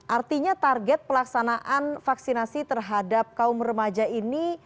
artinya target pelaksanaan vaksinasi terhadap kaum remaja ini